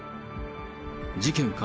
事件か、